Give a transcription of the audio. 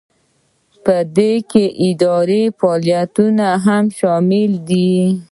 په دې کې اداري فعالیتونه هم شامل دي.